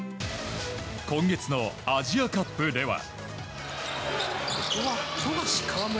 今月のアジアカップでは。